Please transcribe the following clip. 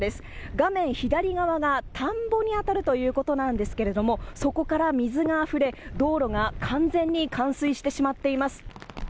画面左側が田んぼに当たるということなんですけれども、そこから水があふれ、道路が完全に冠水してしまっています。